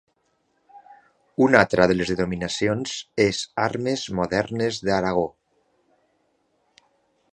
Una altra de les denominacions és Armes modernes d'Aragó.